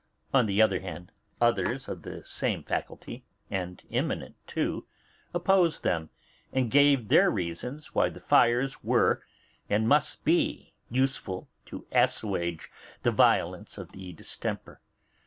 On the other hand, others of the same faculty, and eminent too, opposed them, and gave their reasons why the fires were, and must be, useful to assuage the violence of the distemper.